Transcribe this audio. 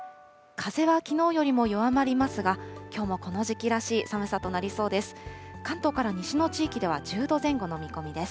風はきのうよりも弱まりますが、きょうもこの時期らしい寒さとなりそうです。